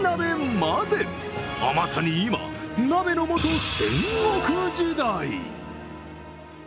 まさに今、鍋の素戦国時代。